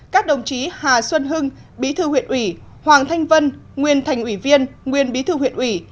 các đồng chí hà xuân hưng bí thư huyện ủy hoàng thanh vân nguyên thành ủy viên nguyên bí thư huyện ủy